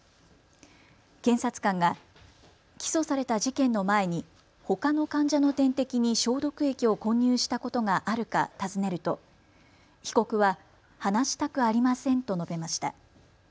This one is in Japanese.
検察官が起訴された事件の前にほかの患者の点滴に消毒液を混入したことがあるか尋ねると被告は話したくありませんと述べました。